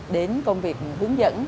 đến công việc hướng dẫn